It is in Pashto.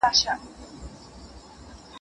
عقیدې ټول ملتونه جنتي کړل